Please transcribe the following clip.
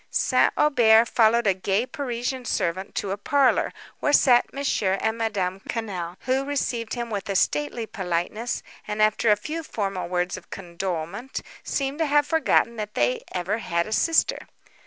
St. Aubert followed a gay Parisian servant to a parlour, where sat Mons. and Madame Quesnel, who received him with a stately politeness, and, after a few formal words of condolement, seemed to have forgotten that they ever had a sister.